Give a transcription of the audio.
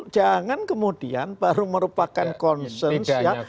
jangan kemudian baru merupakan concern ya